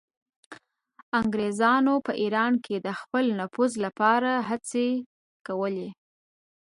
انګریزانو په ایران کې د خپل نفوذ لپاره هڅې کولې.